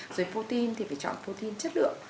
rồi protein thì phải chọn protein chất lượng